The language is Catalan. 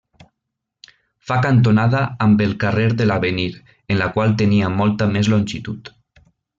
Fa cantonada amb el carrer de l'Avenir, en la qual tenia molta més longitud.